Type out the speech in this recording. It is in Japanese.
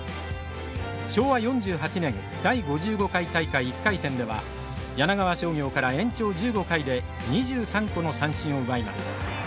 昭和４８年第５５回大会１回戦では柳川商業から延長１５回で２３個の三振を奪います。